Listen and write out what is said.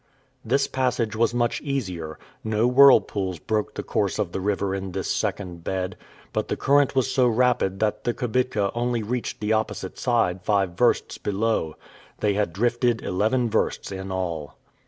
This passage was much easier; no whirlpools broke the course of the river in this second bed; but the current was so rapid that the kibitka only reached the opposite side five versts below. They had drifted eleven versts in all.